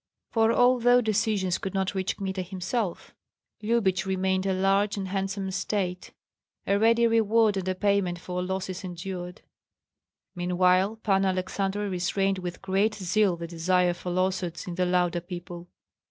For although decisions could not reach Kmita himself, Lyubich remained a large and handsome estate, a ready reward and a payment for losses endured. Meanwhile Panna Aleksandra restrained with great zeal the desire for lawsuits in the Lauda people.